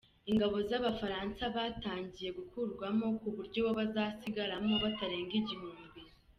Ingabo z’Abafaransa batangiye gukurwamo ku buryo bo bazasigaramo batarenga igihugmbi.